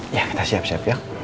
ya kita siap siap ya